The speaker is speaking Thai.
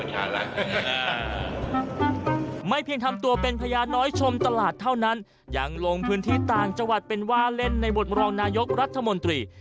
ไม่เพียงทำตัวเป็นพญาน้อยชมตลาดเท่านั้นยังลงพื้นที่ต่างจังหวัดเป็นว่าเล่นในบทรองนายกรัฐมนตรี